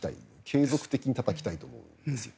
継続的にたたきたいと思うんです。